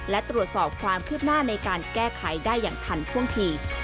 และตรวจสอบความคืบหน้าในการแก้ไขได้อย่างทันท่วงที